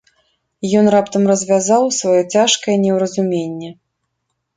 Ён раптам развязаў сваё цяжкае неўразуменне.